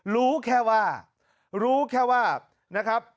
รู้แค่ว่ารู้แค่ว่านะครับ